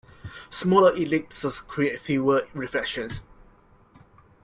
Smaller ellipses create fewer reflections.